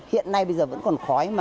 hiện nay bây giờ vẫn còn khói